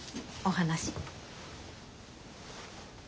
お話。